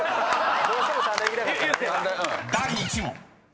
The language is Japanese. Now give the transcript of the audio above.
［第１問］